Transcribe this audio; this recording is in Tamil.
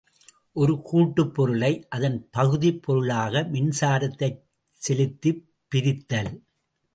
ஒரு கூட்டுப் பொருளை அதன் பகுதிப் பொருள்களாக மின்சாரத்தைச் செலுத்திப் பிரித்தல்.